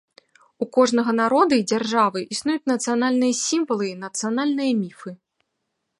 У кожнага народа і дзяржавы існуюць нацыянальныя сімвалы і нацыянальныя міфы.